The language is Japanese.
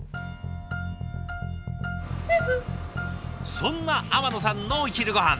そんな天野さんのお昼ごはん。